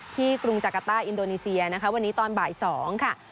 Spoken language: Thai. กรุงจักรต้าอินโดนีเซียนะคะวันนี้ตอนบ่าย๒ค่ะ